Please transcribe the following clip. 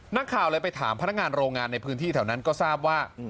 นักข่าวเลยไปถามพนักงานโรงงานในพื้นที่แถวนั้นก็ทราบว่า